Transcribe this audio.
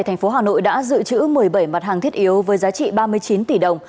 thành phố hà nội đã dự trữ một mươi bảy mặt hàng thiết yếu với giá trị ba mươi chín tỷ đồng